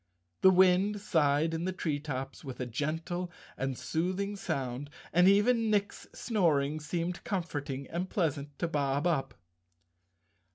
The wind sighed in the tree tops with a gentle and soothing sound, and even Nick's snoring seemed comforting and pleasant to Bob Up.